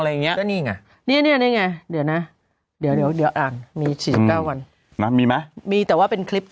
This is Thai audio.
อะไรอย่างเงี้ยนี่ไงเดี๋ยวนะเดี๋ยวเดี๋ยวอ่ะมี๔๙วันมีมั้ยมีแต่ว่าเป็นคลิป